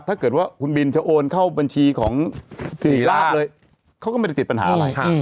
ถ้าเกิดว่าคุณบินจะโอนเข้าบัญชีของสิริราชเลยเขาก็ไม่ได้ติดปัญหาอะไร